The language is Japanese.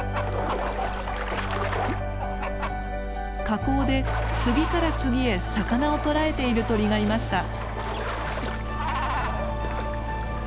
河口で次から次へ魚を捕らえている鳥がいました。